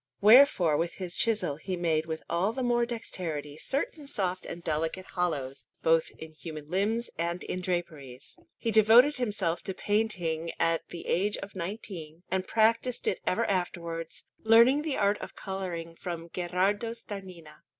Wherefore with his chisel he made with all the more dexterity certain soft and delicate hollows, both in human limbs and in draperies. He devoted himself to painting at the age of nineteen, and practised it ever afterwards, learning the art of colouring from Gherardo Starnina.